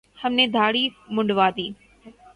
ہم نے دھاڑی منڈوادی